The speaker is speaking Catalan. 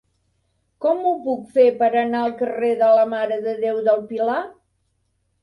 Com ho puc fer per anar al carrer de la Mare de Déu del Pilar?